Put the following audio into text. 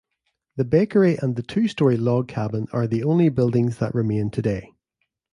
The bakery and the two-story log cabin are the only buildings that remain today.